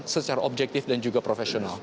secara objektif dan juga profesional